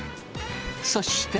そして。